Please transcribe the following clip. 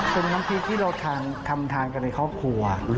เป็นน้ำพริกที่เราทำทานกันในครอบครัว